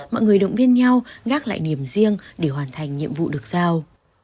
mọi người động viên nhau gác lại niềm riêng để hoàn thành nhiệm vụ được giao